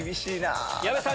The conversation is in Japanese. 矢部さん